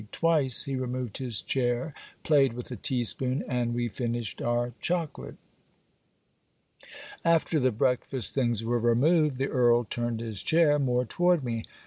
Twice he removed his chair, played with a tea spoon, and we finished our chocolate. After the breakfast things were removed, the Earl turned his chair more toward me.